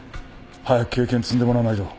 早く経験積んでもらわないと。